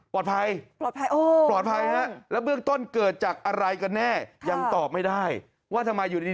ปลอดภัยปลอดภัยโอ้ปลอดภัยฮะแล้วเบื้องต้นเกิดจากอะไรกันแน่ยังตอบไม่ได้ว่าทำไมอยู่ดี